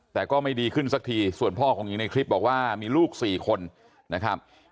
แต่ก็ไม่ดีขึ้นสักทีส่วนพ่อของหญิงในคลิปบอกว่ามีลูก๔คนนะครับ